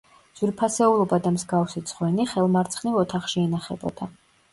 ძვირფასეულობა და მსგავსი ძღვენი, ხელმარცხნივ ოთახში ინახებოდა.